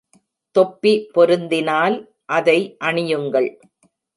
தொப்பி பொருந்தினால், அதை அணியுங்கள்.